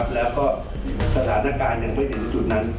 แล้วก็สถานการณ์ยังไม่ถึงจุดนั้น